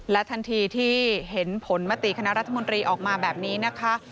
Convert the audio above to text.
ทันทีที่เห็นผลมติคณะรัฐมนตรีออกมาแบบนี้นะคะ